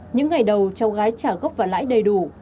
những ngày đầu cháu gái trả gốc và lãi đầy đủ